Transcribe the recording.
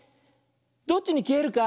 どっちにきえるか？